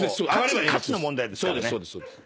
価値の問題ですからね。